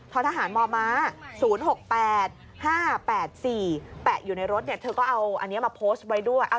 ทหารมม๐๖๘๕๘๔แปะอยู่ในรถเธอก็เอาอันนี้มาโพสต์ไว้ด้วย